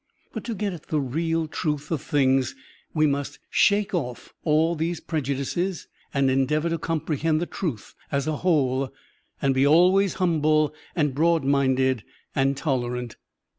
But to get at the real truth of things we must shake off all these prejudices and endeavor to comprehend the truth as a whole and be always htimble and broad minded and tolerant.